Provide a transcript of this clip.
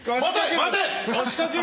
待て！